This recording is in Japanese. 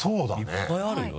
いっぱいあるよ？